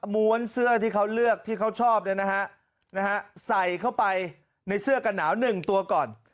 ม้วนเสื้อที่เขาเลือกที่เขาชอบใส่เข้าไปในเสื้อกันหนาว๑ตัวก่อน